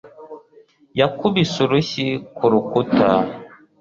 yakubise urushyi ku rukuta